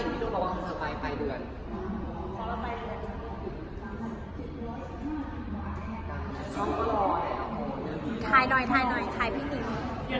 ตอนนี้ก็ยังที่มันมีปัญหาสำคัญตัวเองมีรู้สึกว่ามันจริงมันก็จริงแล้วมันแซ่บไม่ได้ใจ